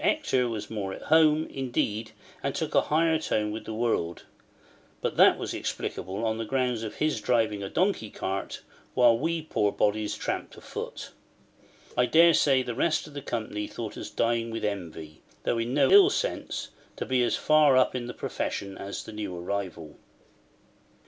Hector was more at home, indeed, and took a higher tone with the world; but that was explicable on the ground of his driving a donkey cart, while we poor bodies tramped afoot. I daresay, the rest of the company thought us dying with envy, though in no ill sense, to be as far up in the profession as the new arrival.